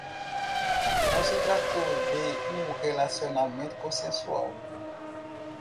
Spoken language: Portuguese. Não se tratou de um relacionamento consensual